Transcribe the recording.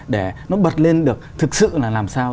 để nó bật lên được thực sự là làm sao